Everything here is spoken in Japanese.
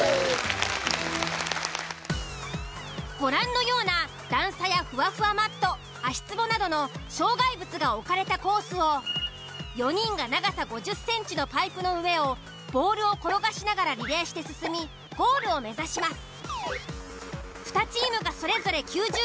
ご覧のような段差やふわふわマット足つぼなどの障害物が置かれたコースを４人が長さ５０ｃｍのパイプの上をボールを転がしながらリレーして進みゴールを目指します。